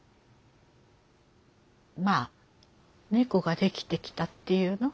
まあ猫ができてきたっていうの？